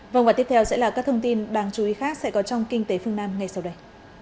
vâng và tiếp theo sẽ là các thông tin đáng chú ý khác sẽ có trong kinh tế phương nam ngay sau đây